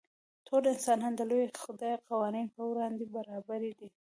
ټول انسانان د لوی خدای قوانینو په وړاندې برابر دي.